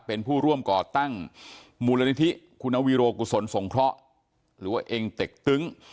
เป็นผู้ร่วมก่อตั้งมูลนิธิคุณวิโรกุศลสงเคราะห์หรือว่าเองเต็กตึ้ง